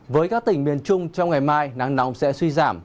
với các tỉnh miền trung trong ngày mai nắng nóng sẽ suy giảm